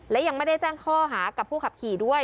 และยังไม่ได้แจ้งข้อหากับผู้ขับขี่ด้วย